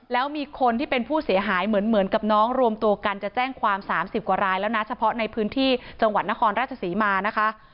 แล้วมีคนที่เป็นผู้เสียหายเหมือนกับน้องรวมตัวกันจะแจ้งความ๓๐กว่ารายแล้วนะเฉพาะในพื้นที่จังหวัดนครราชศรีมานะคะ